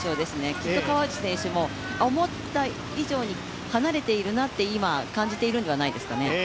きっと川内選手も思った以上に離れているなと今、感じているんではないですかね